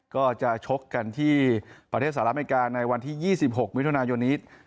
ก็จะชกกันที่ประเทศสหรัฐอเมริกาในวันที่๒๖มิถุนายนนี้